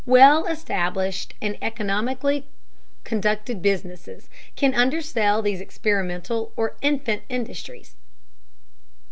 Well established and economically conducted businesses can undersell these experimental or "infant" industries.